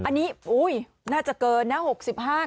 อันนี้โอ้ยน่าจะเกินนะ๖๕กรัต